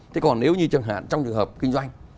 thế còn nếu như chẳng hạn trong trường hợp kinh doanh